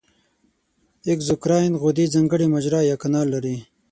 اګزوکراین غدې ځانګړې مجرا یا کانال لري.